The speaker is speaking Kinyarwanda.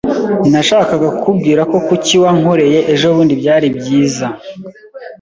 Nashakaga kukubwira ko kuki wankoreye ejobundi byari byiza cyane.